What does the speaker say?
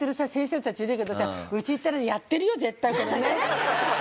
たちいるけどさ家行ったらやってるよ絶対これね。